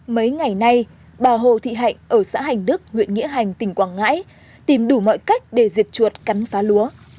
mấy ngày nay bà hồ thị hạnh ở xã hành đức huyện nghĩa hành tỉnh quảng ngãi tìm đủ mọi cách để diệt chuột cắn phá lúa